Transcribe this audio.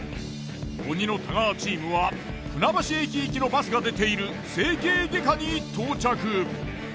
鬼の太川チームは船橋駅行きのバスが出ている整形外科に到着。